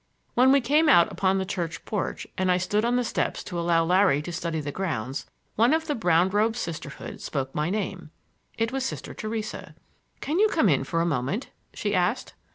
When we came out upon the church porch and I stood on the steps to allow Larry to study the grounds, one of the brown robed Sisterhood spoke my name. It was Sister Theresa. "Can you come in for a moment?" she asked.